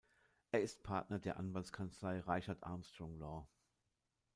Er ist Partner der Anwaltskanzlei „Reichert Armstrong Law“.